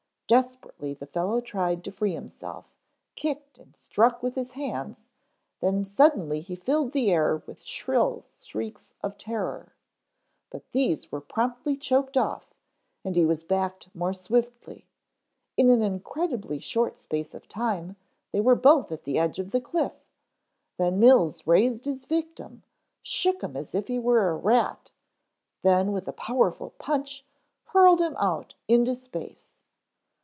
Desperately the fellow tried to free himself, kicked and struck with his hands, then suddenly he filled the air with shrill shrieks of terror, but these were promptly choked off and he was backed more swiftly. In an incredibly short space of time they were both at the edge of the cliff, then Mills raised his victim, shook him as if he were a rat, then with a powerful punch, hurled him out into space.